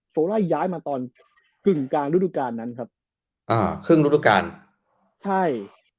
โซไล่ย้ายมาตอนกึ่งกลางฤดูการนั้นครับอ่าครึ่งฤดูการใช่